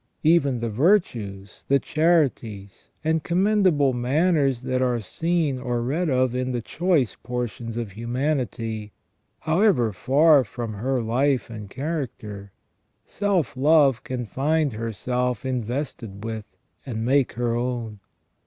Even the virtues, the charities, and commendable manners that are seen or read of in the choice portions of humanity, however far from her life and character, self love can find herself invested with, and make her own.